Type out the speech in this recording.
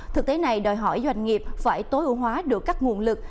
thực tế này đòi hỏi doanh nghiệp phải tối ưu hóa được các nguồn lực